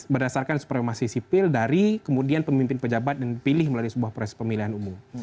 berdasarkan supremasi sipil dari kemudian pemimpin pejabat yang dipilih melalui sebuah proses pemilihan umum